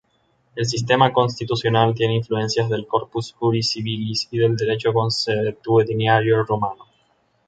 El sistema constitucional tiene influencias del Corpus Juris Civilis y del derecho consuetudinario romano.